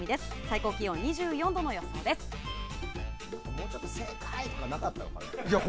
もうちょっと正解！とかなかったの？